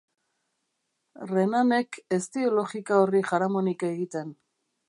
Renanek ez dio logika horri jaramonik egiten.